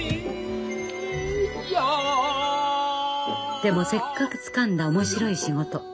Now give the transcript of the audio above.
でもせっかくつかんだ面白い仕事。